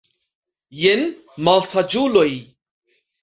Jen, malsaĝuloj!